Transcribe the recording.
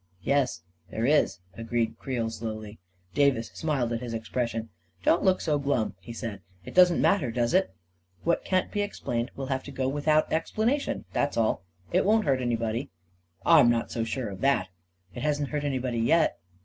11 Yes, there is," agreed Creel slowly. Davis smiled at his expression. 44 Don't look so glum," he said. " It doesn't matter, does it ? What can't be explained, will have to go without explanation, that's all ! It won't hurt anybody." 44 I'm not so sure of that 1 "" It hasn't hurt anybody yet."